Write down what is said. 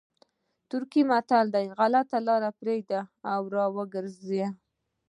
ترکي متل وایي غلطه لاره پرېږدئ او را وګرځئ.